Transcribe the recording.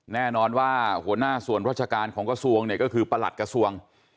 แน่นอนว่าหัวหน้าส่วนราชการของกระทรวงเนี่ยก็คือประหลัดกระทรวง